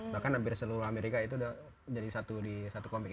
bahkan hampir seluruh amerika itu sudah jadi satu di satu komik itu